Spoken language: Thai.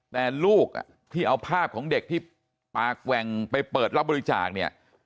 แต่ลูกที่เอาภาพของเด็กที่ปากแหว่งไปเปิดรับบริจาคเนี่ย